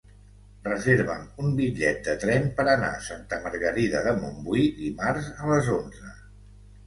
Reserva'm un bitllet de tren per anar a Santa Margarida de Montbui dimarts a les onze.